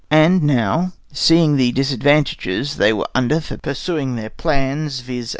And now, seeing the disadvantages they were under for pursuing their plans, viz.